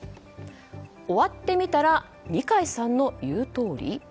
終わってみたら二階さんの言うとおり？